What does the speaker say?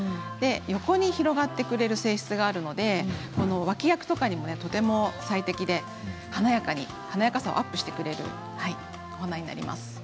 横に広がってくれる性質があるので脇役とかにもとても最適で華やかさをアップしてくれます。